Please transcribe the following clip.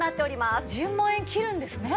１０万円切るんですね。